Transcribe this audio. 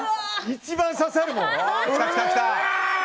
一番刺さるもん。